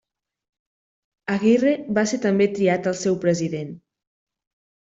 Aguirre va ser també triat el seu president.